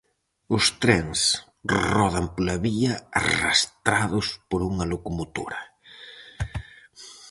Os trens rodan pola vía arrastrados por unha locomotora.